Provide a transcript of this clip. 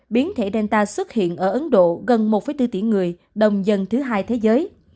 biến thể danta xuất hiện ở ấn độ gần một bốn tỷ người đông dân thứ hai thế giới